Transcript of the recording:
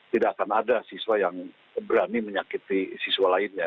tidak akan ada siswa yang berani menyakiti siswa lainnya